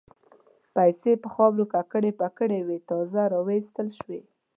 پیسې په خاورو ککړ پکر وې تازه را ایستل شوې.